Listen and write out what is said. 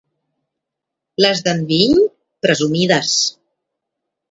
Les d'Enviny, presumides.